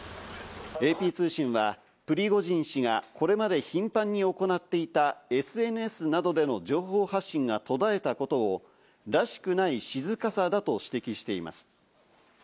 ＡＰ通信はプリゴジン氏がこれまで頻繁に行っていたＳＮＳなどでの情報発信が途絶えたことを、らしくない静かさだと指摘しています。